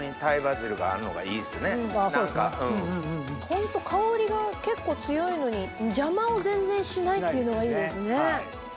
ホント香りが結構強いのに邪魔を全然しないっていうのがいいですね。